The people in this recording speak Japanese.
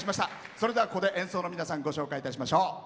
それでは、ここで演奏の皆さんご紹介いたしましょう。